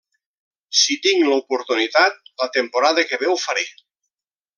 Si tinc l'oportunitat la temporada que ve, ho faré.